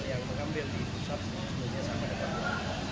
yang mengambil di pusat sebenarnya sama dengan dua